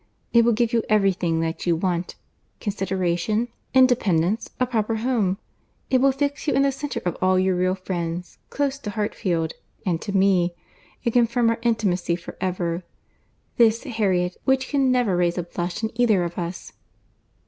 It will give you every thing that you want—consideration, independence, a proper home—it will fix you in the centre of all your real friends, close to Hartfield and to me, and confirm our intimacy for ever. This, Harriet, is an alliance which can never raise a blush in either of us."